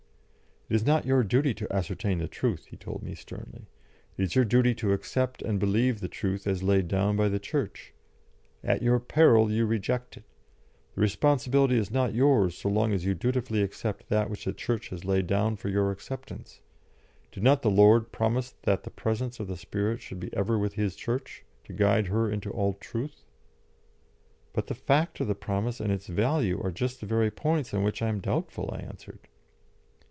"It is not your duty to ascertain the truth," he told me, sternly. "It is your duty to accept and believe the truth as laid down by the Church. At your peril you reject it. The responsibility is not yours so long as you dutifully accept that which the Church has laid down for your acceptance. Did not the Lord promise that the presence of the Spirit should be ever with His Church, to guide her into all truth?" "But the fact of the promise and its value are just the very points on which I am doubtful," I answered.